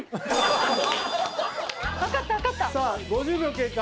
５０秒経過。